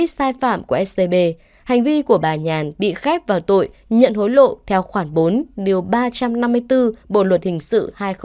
sai phạm của scb hành vi của bà nhàn bị khép vào tội nhận hối lộ theo khoảng bốn ba trăm năm mươi bốn bộ luật hình sự hai nghìn một mươi năm